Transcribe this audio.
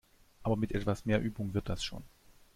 Aber mit etwas mehr Übung wird das schon!